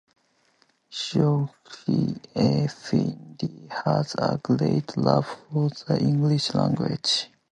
Shoghi Effendi had a great love for the English language.